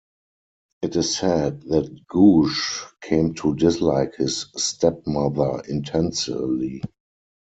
It is said that Googe 'came to dislike his stepmother intensely'.